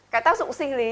cái tác dụng sinh lý